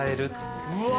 うわ！